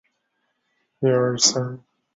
是第一次国共内战主要战斗之一。